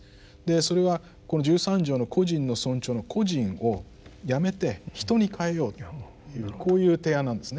それはこの十三条の個人の尊重の「個人」をやめて「人」に変えようというこういう提案なんですね。